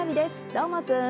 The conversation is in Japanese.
どーもくん。